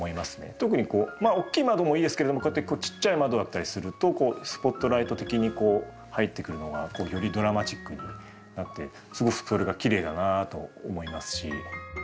特にこうまあ大きい窓もいいですけれどもこうやって小さい窓だったりするとスポットライト的にこう入ってくるのがよりドラマチックになってすごくそれがきれいだなと思いますし。